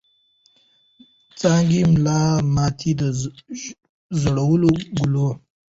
څانګي ملا ماتي د ژړو ګلو